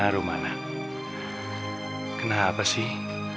rumana kenapa sih